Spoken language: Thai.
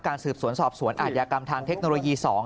สืบสวนสอบสวนอาจยากรรมทางเทคโนโลยี๒